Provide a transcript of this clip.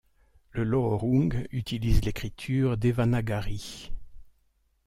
Le lohorung utilise l'écriture Devanagari.